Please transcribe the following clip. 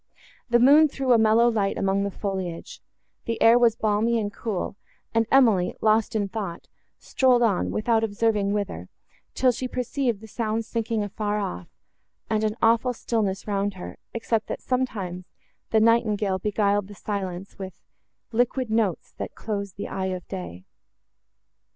The moon threw a mellow light among the foliage; the air was balmy and cool, and Emily, lost in thought, strolled on, without observing whither, till she perceived the sounds sinking afar off, and an awful stillness round her, except that, sometimes, the nightingale beguiled the silence with Liquid notes, that close the eye of day.